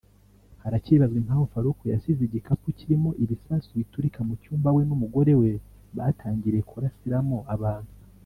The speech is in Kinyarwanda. Haracyibazwa impamvu Farook yasize igikapu kirimo ibisasu biturika mu cyumba we n’umugore we batangiriye kurasiramo abantu